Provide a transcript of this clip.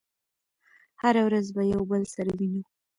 هره ورځ به يو بل سره وينو